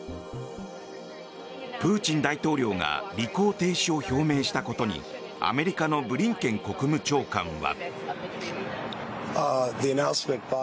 プーチン大統領が履行停止を表明したことにアメリカのブリンケン国務長官は。